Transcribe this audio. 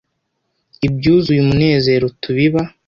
Ibyuzuye umunezero tubiba